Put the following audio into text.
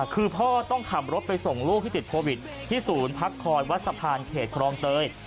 คือพ่อต้องขับรถไปส่งลูกที่ติดโควิดที่ศูนย์พักคอยวัดสะพานเขตครองเตย